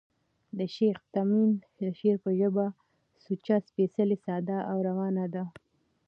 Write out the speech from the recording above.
د شېخ تیمن د شعر ژبه سوچه، سپېڅلې، ساده او روانه ده.